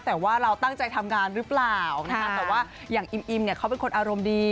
แต่ว่าเราตั้งใจทำงานหรือเปล่านะคะแต่ว่าอย่างอิมเนี่ยเขาเป็นคนอารมณ์ดี